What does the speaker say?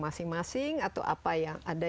masing masing atau apa yang ada